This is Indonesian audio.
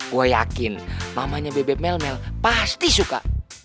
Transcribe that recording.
gue yakin mamanya bebet mel mel pasti suka